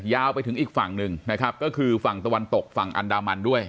ไปถึงอีกฝั่งหนึ่งนะครับก็คือฝั่งตะวันตกฝั่งอันดามันด้วย